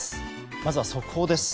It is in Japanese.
まずは速報です。